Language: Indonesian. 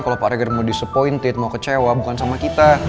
kalau pak reger mau disuppointed mau kecewa bukan sama kita